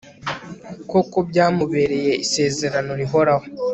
koko byamubereye isezerano rihoraho